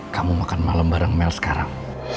kamu makan malam bareng mel sekarang